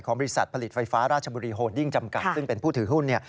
บริษัทผลิตไฟฟ้าราชบุรีโฮดดิ้งจำกัดซึ่งเป็นผู้ถือหุ้นเนี่ย